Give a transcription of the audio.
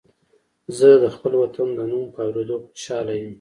زه د خپل وطن د نوم په اورېدو خوشاله یم